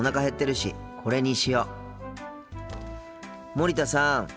森田さん。